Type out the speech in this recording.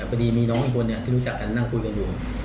พอดีมีน้องอีกคนที่รู้จักกันนั่งคุยกันอยู่